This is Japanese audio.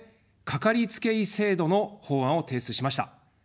かかりつけ医制度の法案を提出しました。